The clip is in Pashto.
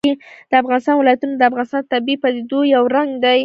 د افغانستان ولايتونه د افغانستان د طبیعي پدیدو یو رنګ دی.